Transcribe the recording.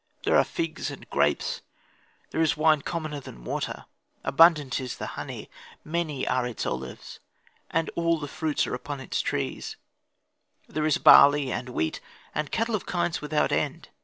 There are figs and grapes; there is wine commoner than water; abundant is the honey, many are its olives; and all fruits are upon its trees; there is barley and wheat, and cattle of kinds without end.